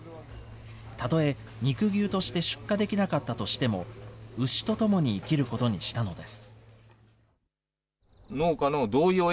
たとえ肉牛として出荷できなかったとしても、牛とともに生きることにしたのです。